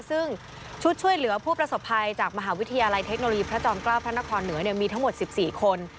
ซึ่งชุดช่วยเหลือผู้ประสบภัยจากมหาวิทยาลัยเทคโนโลยีพระจอมเกล้าพระนครเหนือมีทั้งหมด๑๔คน